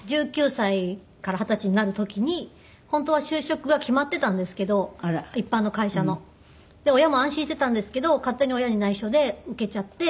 １９歳から二十歳になる時に本当は就職が決まっていたんですけど一般の会社の。で親も安心していたんですけど勝手に親に内緒で受けちゃって。